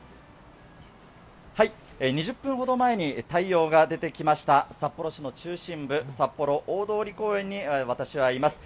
２０分ほど前に太陽が出てきました、札幌市の中心部、札幌大通公園に私はいます。